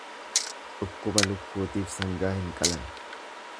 Dhukkuba lukkuutiif sangaa hin qalan.